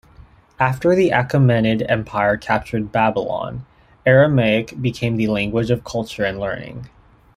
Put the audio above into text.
After the Achaemenid Empire captured Babylon, Aramaic became the language of culture and learning.